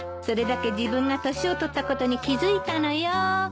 それだけ自分が年を取ったことに気付いたのよ。